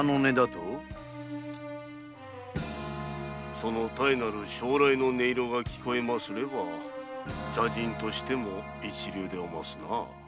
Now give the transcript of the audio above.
その妙なる松籟の音色が聞えますれば茶人としても一流でおますなぁ。